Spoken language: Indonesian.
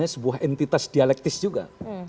sebuah entitas dialektis juga